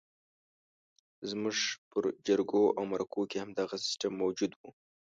زموږ پر جرګو او مرکو کې همدغه سیستم موجود وو.